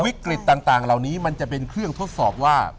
ต่างเหล่านี้มันจะเป็นเครื่องทดสอบว่า